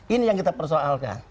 ini yang kita persoalkan